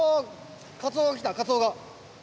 カツオが来たカツオが。